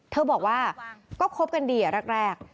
เธอบอกว่าก็คบกันดีแรก